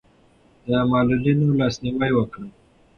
د معلولینو لاسنیوی وکړئ.